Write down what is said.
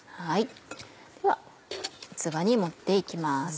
では器に盛って行きます。